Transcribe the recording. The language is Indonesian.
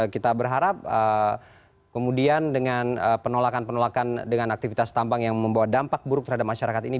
kita berharap kemudian dengan penolakan penolakan dengan aktivitas tambang yang membawa dampak buruk terhadap masyarakat ini